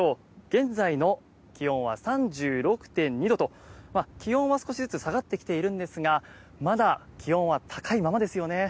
現在の気温は３６．２度と気温は少しずつ下がってきてはいるんですがまだ気温は高いままですよね。